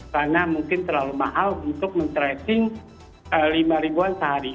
karena mungkin terlalu mahal untuk men tracing lima ribuan sehari